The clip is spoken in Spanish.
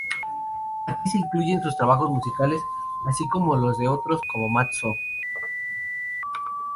Aquí se incluyen sus trabajos musicales, así como los de otros como Mat Zo.